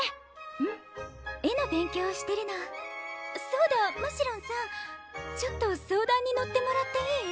うん絵の勉強をしてるのそうだましろんさんちょっと相談に乗ってもらっていい？